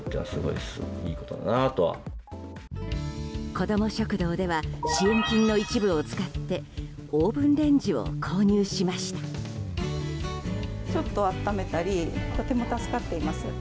子ども食堂では支援金の一部を使ってオーブンレンジを購入しました。